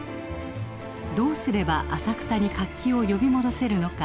どうすれば浅草に活気を呼び戻せるのか。